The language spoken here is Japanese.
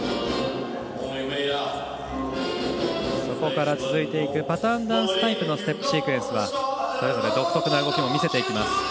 そこから続いていくパターンダンスタイプのステップシークエンスはそれぞれ独特な動きを見せていきます。